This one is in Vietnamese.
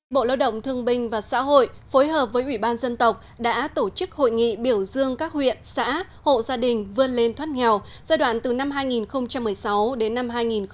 bộ lao động thương binh và xã hội phối hợp với ủy ban dân tộc đã tổ chức hội nghị biểu dương các huyện xã hộ gia đình vươn lên thoát nghèo giai đoạn từ năm hai nghìn một mươi sáu đến năm hai nghìn hai mươi